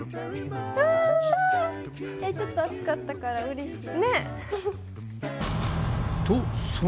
ちょっと暑かったからうれしい。